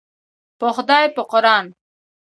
په خدای په قوران.